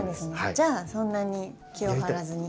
じゃあそんなに気を張らずに。